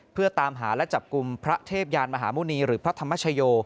เพื่อตามหาและจับกลุ่มพระเทพยานมหาหมุณีหรือพระธรรมชโย